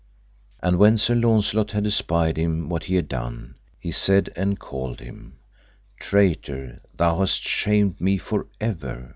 And when Sir Launcelot had espied him what he had done, he said, and called him, Traitor, thou hast shamed me for ever.